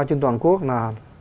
trên toàn quốc là